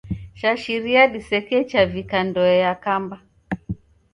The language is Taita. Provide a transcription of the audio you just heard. Shashiria disekecha vika ndoe yakamba.